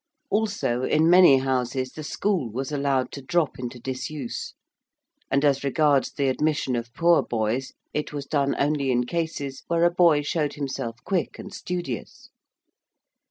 Also in many Houses the school was allowed to drop into disuse. And as regards the admission of poor boys it was done only in cases where a boy showed himself quick and studious.